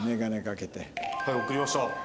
はい送りました。